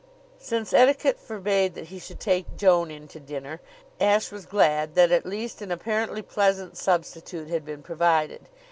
Since etiquette forbade that he should take Joan in to dinner, Ashe was glad that at least an apparently pleasant substitute had been provided.